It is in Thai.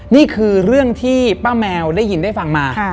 นี่คือเรื่องที่ป้าแมวได้ยินได้ฟังมา